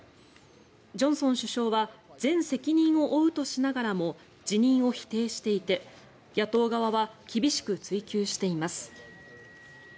ジョンソン首相は全責任を負うとしながらも辞任を否定していて野党側は厳しく追及しています。